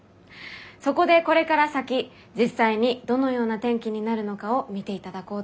そこでこれから先実際にどのような天気になるのかを見ていただこうと。